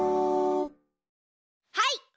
はい！